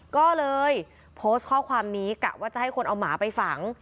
ก็เลยโพสต์ข้อความนี้กะว่าจะให้คนเอาหมาไปฝัง